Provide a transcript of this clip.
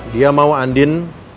dia mau andin